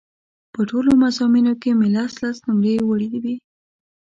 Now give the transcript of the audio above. په ټولو مضامینو کې مې لس لس نومرې وړې وې.